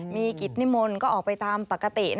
มีกิจนิมนต์ก็ออกไปตามปกติ